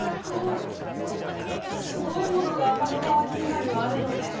すごいものが天の川銀河にはあるのね。